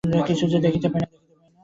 কিছু যে দেখিতে পাই না!